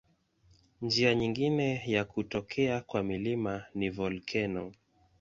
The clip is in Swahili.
Njia nyingine ya kutokea kwa milima ni volkeno.